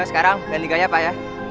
yow sekarang gilir gaya pak ya